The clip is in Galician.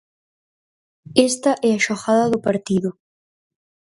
Esta é a xogada do partido.